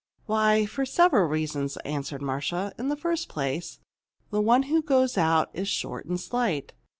"Why, for several reasons," answered Marcia. "In the first place, the one who goes out is short and slight.